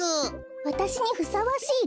わたしにふさわしいラン？